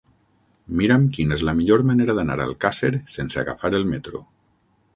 Mira'm quina és la millor manera d'anar a Alcàsser sense agafar el metro.